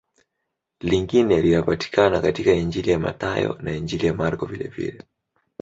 Lingine linapatikana katika Injili ya Mathayo na Injili ya Marko vilevile.